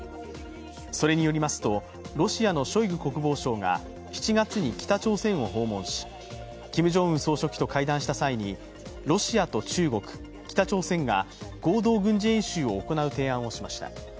それによりますと、ロシアのショイグ国防相が７月に北朝鮮を訪問し、キム・ジョンウン総書記と会談した際にロシアと中国、北朝鮮が合同軍事演習を行う提案をしました。